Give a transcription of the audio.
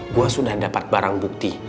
buah sudah dapat barang bukti